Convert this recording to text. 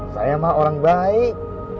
saya mah orang baik